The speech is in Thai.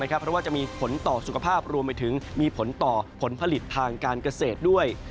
เพราะว่าจะมีผลต่อสุขภาพรวมไปถึงมีผลต่อผลผลิตทางการเกษตรด้วย